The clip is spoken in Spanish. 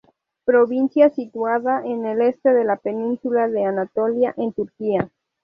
Provincia situada en el este de la península de Anatolia, en Turquía.